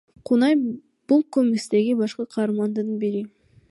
Кунай — бул комикстеги башкы каармандын аты.